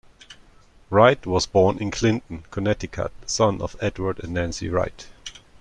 Wright was born in Clinton, Connecticut, son of Edward and Nancy Wright.